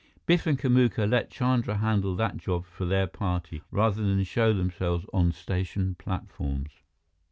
Biff and Kamuka let Chandra handle that job for their party, rather than show themselves on station platforms.